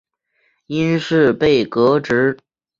因事被革职。